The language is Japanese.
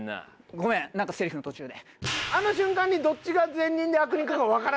ごめん何かセリフの途中で。